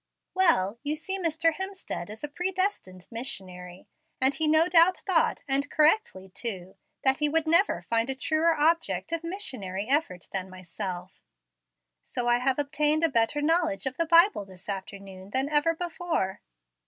"Well, you see Mr. Hemstead is a predestined missionary, and he no doubt thought, and correctly too, that he would never find a truer object of missionary effort than myself; so I have obtained a better knowledge of the Bible this afternoon than ever before."